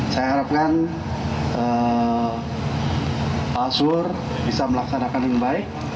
saya harapkan pak aswur bisa melaksanakan yang baik